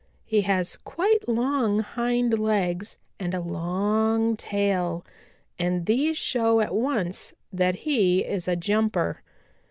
He has quite long hind legs and a long tail, and these show at once that he is a jumper.